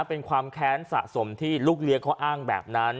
เป็นความแค้นสะสมที่ลูกเลี้ยงเขาอ้างแบบนั้น